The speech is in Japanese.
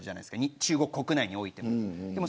中国国内においても。